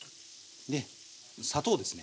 砂糖ですね。